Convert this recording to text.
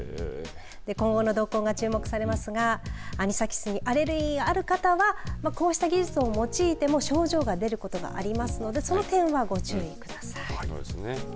今後の動向が注目されますがアニサキスにアレルギーがある方はこうした技術を用いても症状が出ることがありますのでその点はご注意ください。